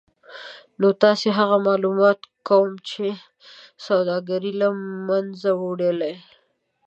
نو تاسې هغه مالومات کوم چې سوداګري له منځه وړلای